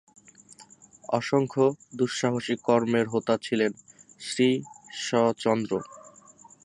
অসংখ্য দু:সাহসিক কর্মের হোতা ছিলেন শ্রীশচন্দ্র।